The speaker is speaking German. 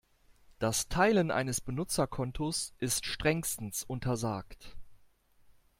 Das Teilen eines Benutzerkontos ist strengstens untersagt.